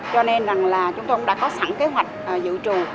cho nên là chúng tôi cũng đã có sẵn kế hoạch dự trù